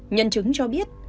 nhân chứng cho biết